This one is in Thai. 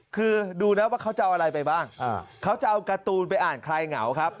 คือดูนะว่าเขาจะเอาอะไรไปบ้างเขาจะเอาการ์ตูนไปอ่านคลายเหงาครับ